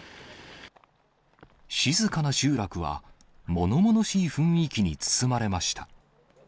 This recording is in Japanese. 静かな集落は、ものものしい雰囲気に包まれました。